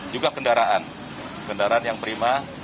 juga kendaraan kendaraan yang prima